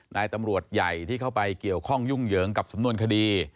นายตำรวจใหญ่ที่เข้าไปเกี่ยวข้องยุ่งเหยิงกับสำนวนคดี